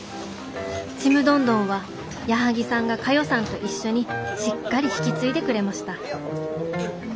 「ちむどんどんは矢作さんが佳代さんと一緒にしっかり引き継いでくれました」。